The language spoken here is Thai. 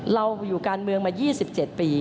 เราอยู่การเมืองมา๒๗ปี